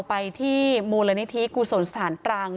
ไปที่มูลละนี้ทรีย์กูศนสถานตรัง